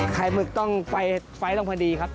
ไข่หมึกต้องไฟลงพอดีครับ